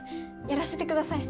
やらせてください。